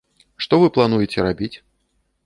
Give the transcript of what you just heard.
Што вы плануеце рабіць?